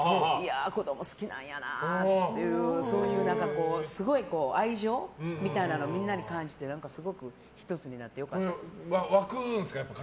子供好きなんやなってすごい、愛情みたいなのをみんなに感じて、すごく１つになれて良かったです。